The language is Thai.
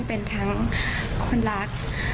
เป็นทั้งคนรัก